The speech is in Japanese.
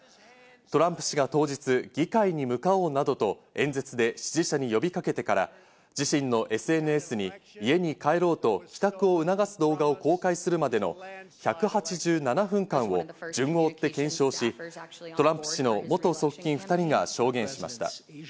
トランプ氏が当日、議会に向かおうなどと演説で支持者に呼びかけてから、自身のＳＮＳに家に帰ろうと、帰宅を促す動画を公開するまでの１８７分間を順を追って検証し、トランプ氏の元側近２人が証言しました。